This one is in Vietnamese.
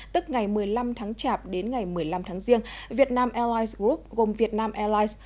tức ngày một mươi năm tháng chạp đến ngày một mươi năm tháng giêng vietnam airlines group gồm vietnam airlines